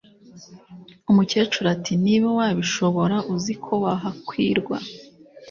umukecuru ati:" niba wabishobora, uzi ko wahakwirwa,